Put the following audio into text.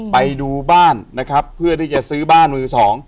ไปดูบ้านนะครับเพื่อที่จะซื้อบ้านมือสอง